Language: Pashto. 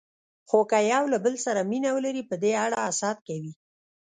خو که یو له بل سره مینه ولري، په دې اړه حسد کوي.